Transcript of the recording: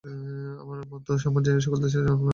আমার মতে সমাজ সকল দেশেই আপনা-আপনি গড়ে।